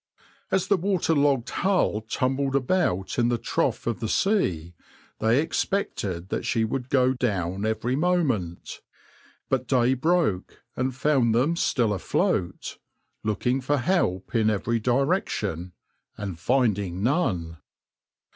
As the water logged hull tumbled about in the trough of the sea, they expected that she would go down every moment, but day broke and found them still afloat, looking for help in every direction and finding none.